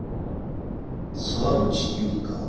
「沢口百合香」？